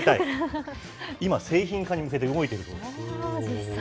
今、製品化に向けて動いているという。